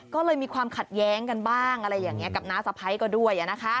ก็เลยมีความขัดแย้งกันบ้างอะไรอย่างนี้กับน้าสะพ้ายก็ด้วย